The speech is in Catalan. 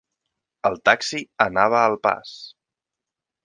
El taxi anava al pas.